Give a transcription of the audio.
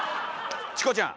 チコちゃん！